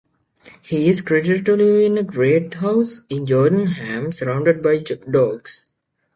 He is credited to live in a great house in Jotunheim surrounded by dogs.